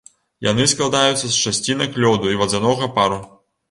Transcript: Яны складаюцца з часцінак лёду і вадзянога пару.